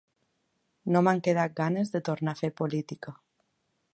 No m’han quedat ganes de tornar a fer política.